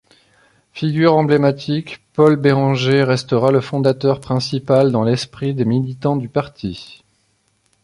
Figure emblématique, Paul Bérenger restera le fondateur principal dans l'esprit des militants du parti.